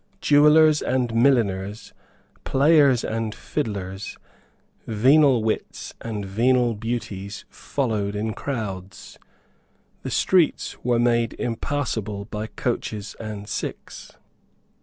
Jewellers and milliners, players and fiddlers, venal wits and venal beauties followed in crowds. The streets were made impassable by coaches and six.